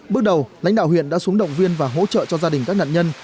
bước đầu lãnh đạo huyện đã xuống động viên và hỗ trợ cho gia đình các nạn nhân